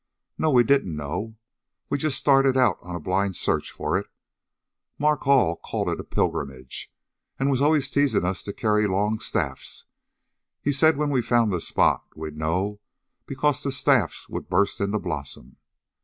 "No; we didn't know. We just started on a blind search for it. Mark Hall called it a pilgrimage, and was always teasing us to carry long staffs. He said when we found the spot we'd know, because then the staffs would burst into blossom.